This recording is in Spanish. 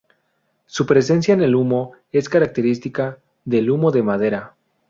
Su presencia en el humo es característica del humo de madera.